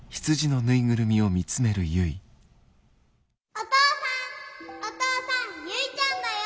お父さんお父さんゆいちゃんだよ。